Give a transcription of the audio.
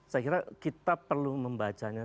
saya kira kita perlu membacanya secara sikap